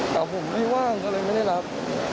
แต่ผมไม่ว่างก็เลยไม่ได้รับ